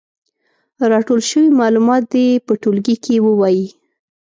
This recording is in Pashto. راټول شوي معلومات دې په ټولګي کې ووايي.